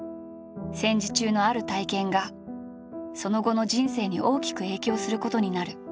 戦時中のある体験がその後の人生に大きく影響することになる。